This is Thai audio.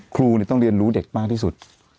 ครูต้องเรียนรู้เด็กมากที่สุด